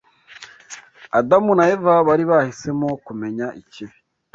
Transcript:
Adamu na Eva bari bahisemo kumenya ikibi